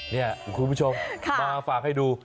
นี่คุณผู้ชมมาฝากให้ดู